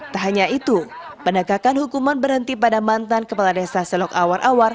tak hanya itu penegakan hukuman berhenti pada mantan kepala desa selok awar awar